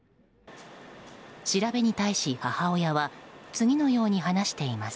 調べに対し、母親は次のように話しています。